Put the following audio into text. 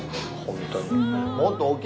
本当に。